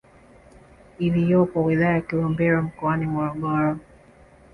iliyopo wilaya ya Kilombero mkoani Morogoro